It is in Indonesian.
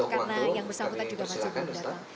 karena yang bersangkutan juga masih akan datang